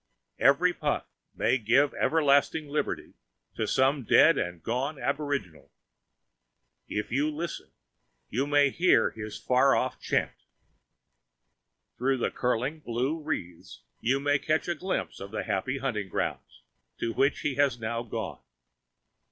Each puff may give everlasting liberty to some dead and gone aboriginal. If you listen you may hear his far off chant. Through the curling blue wreaths you may catch a glimpse of the happy hunting grounds to which he has now gone.